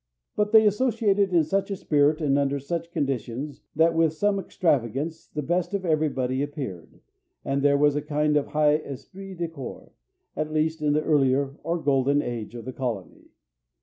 But they associated in such a spirit and under such conditions that, with some extravagance, the best of everybody appeared, and there was a kind of high esprit de corps at least in the earlier or golden age of the colony.